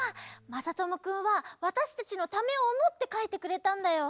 まさともくんはわたしたちのためをおもってかいてくれたんだよ。